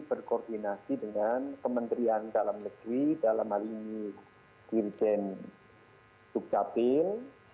berkoordinasi dengan kementerian dalam negeri dalam hal ini dirjen dukcapil